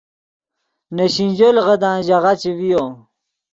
نے سینجو لیغدان ژاغہ چے ڤیو